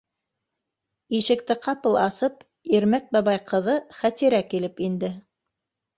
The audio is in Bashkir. Ишекте ҡапыл асып, Ирмәт бабай ҡыҙы Хәтирә килеп инде.